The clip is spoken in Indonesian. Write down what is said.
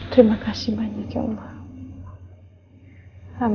terima kasih banyak ya allah